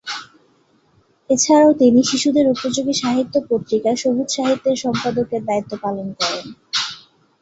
এছাড়াও তিনি শিশুদের উপযোগী সাহিত্য পত্রিকা সবুজ সাহিত্যের সম্পাদকের দায়িত্ব পালন করেন।